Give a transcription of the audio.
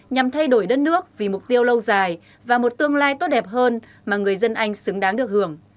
nhằm thay đổi đất nước vì mục tiêu lâu dài và một tương lai tốt đẹp hơn mà người dân anh xứng đáng được hưởng